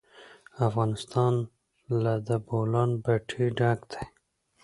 افغانستان له د بولان پټي ډک دی.